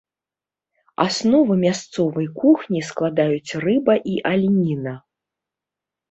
Аснову мясцовай кухні складаюць рыба і аленіна.